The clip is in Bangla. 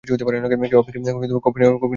কেউ আপনাকে কফি নেয়ার কথা জিজ্ঞেস করেছে?